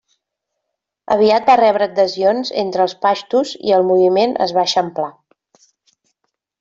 Aviat va rebre adhesions entre els paixtus i el moviment es va eixamplar.